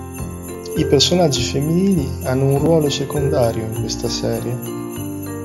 I personaggi femminili hanno un ruolo secondario in questa serie.